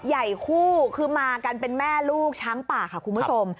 ใหญ่คู่คือมากันเป็นแม่ลูกช้างป่าค่ะคุณผู้ชม